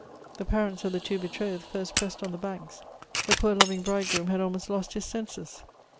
The parents of the two betrothed first pressed on the banks ; the poor loving bridegroom had almost lost his senses.